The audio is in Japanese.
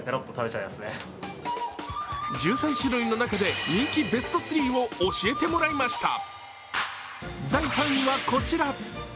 １３種類の中で人気ベスト３を教えてもらいました。